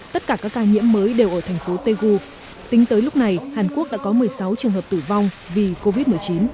tất cả các ca nhiễm mới đều ở thành phố taegu tính tới lúc này hàn quốc đã có một mươi sáu trường hợp tử vong vì covid một mươi chín